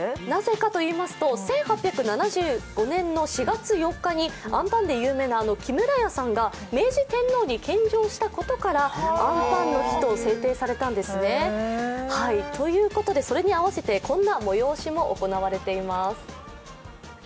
なぜかといいますと１８７５年の４月４日にあんぱんで有名な木村屋さんが明治天皇に献上したことからあんぱんの日と制定されたんですね。ということで、それに合わせてこんな催しも行われています。